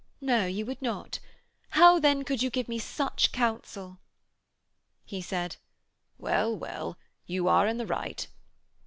'No you would not. How then could you give me such counsel?' He said: 'Well, well. You are in the right.'